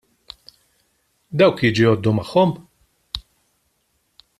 Dawk jiġu jgħoddu magħhom?